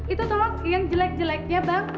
itu tolong yang jelek jeleknya bang